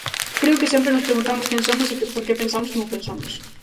Creo que sempre nos preguntamos quen somos e por que pensamos como pensamos.